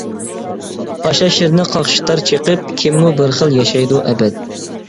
پاشا شىرنى قاقشىتار چېقىپ، كىممۇ بىر خىل ياشايدۇ ئەبەد.